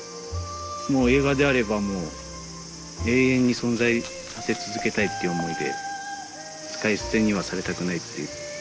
映画であればもう永遠に存在させ続けたいっていう思いで使い捨てにはされたくないっていう。